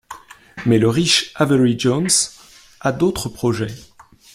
Mais le riche Avery Jones a d'autres projets.